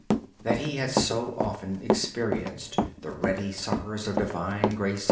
Brother Lawrence often experienced the ready succors of Divine Grace.